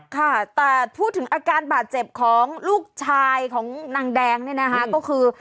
ค่ะแต่พูดถึงอาการบาดเจ็บของลูกชายของนางแดงเนี่ยนะคะก็คือ